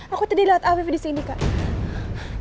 aku tadi liat afif disini kak